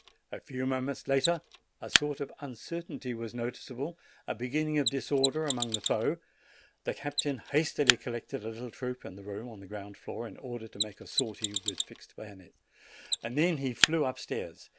A few moments later a sort of uncertainty was noticeable, a beginning of disorder among the foe. The captain hastily collected a little troop in the room on the ground floor, in order to make a sortie with fixed bayonets. Then he flew up stairs.